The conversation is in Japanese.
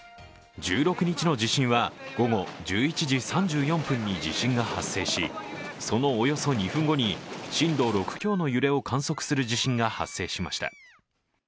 １６日の地震は午後１１時３４分に地震が発生し、そのおよそ２分後に震度６強の揺れを観測する地震が発生しました。